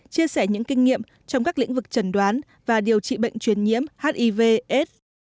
chia sẻ những kinh nghiệm trong các lĩnh vực trần đoán và điều trị bệnh truyền nhiễm hiv s